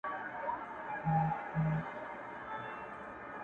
ښکلې ته ښکلی دي خیال دی,